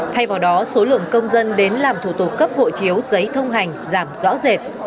thay vào đó số lượng công dân đến làm thủ tục cấp hộ chiếu giấy thông hành giảm rõ rệt